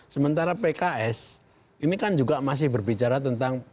sementara pks ini kan juga masih berbicara tentang